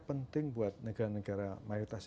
penting buat negara negara mayoritas